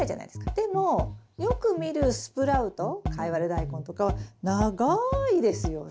でもよく見るスプラウトカイワレダイコンとかは長いですよね。